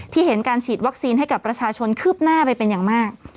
เห็นการฉีดวัคซีนให้กับประชาชนคืบหน้าไปเป็นอย่างมาก